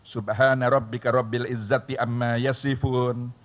subhanarabbika rabbil izzati amma yasifun